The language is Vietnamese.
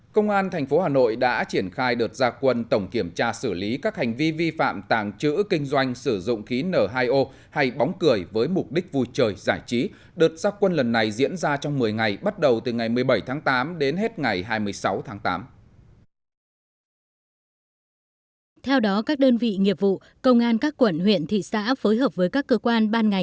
công an tp hà nội đã triển khai đợt gia quân tổng kiểm tra xử lý các hành vi vi phạm tàng trữ kinh doanh sử dụng khí n hai o hay bóng cười với mục đích vui trời giải trí đợt gia quân lần này diễn ra trong một mươi ngày bắt đầu từ ngày một mươi bảy tháng tám đến hết ngày hai mươi sáu tháng tám